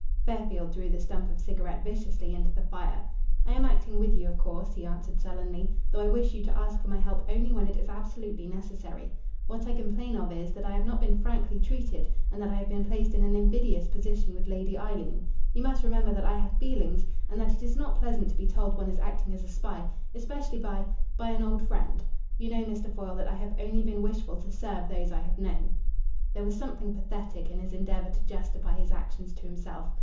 Fairfield threw the stump of cigarette viciously into the fire. "I am acting with you, of course," he answered sullenly, "though I wish you to ask for my help only when it is absolutely necessary. What I complain of is, that I have not been frankly treated, and that I have been placed in an invidious position with Lady Eileen. You must remember that I have feelings, and that it is not pleasant to be told one is acting as a spy, especially by by an old friend. You know, Mr. Foyle, that I have only been wishful to serve those I have known." There was something pathetic in his endeavour to justify his actions to himself.